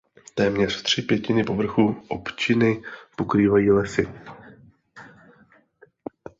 Téměř tři pětiny povrchu občiny pokrývají lesy.